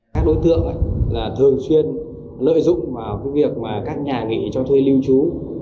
các đối tượng là thường xuyên lợi dụng vào việc các nhà nghỉ cho thuê lưu trú